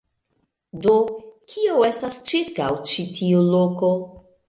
Do, kio estas ĉirkaŭ ĉi tiu loko?